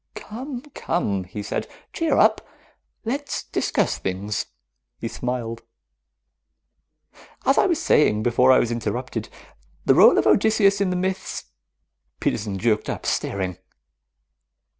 "Come, come," he said. "Cheer up! Let's discuss things." He smiled. "As I was saying before I was interrupted, the role of Odysseus in the myths " Peterson jerked up, staring.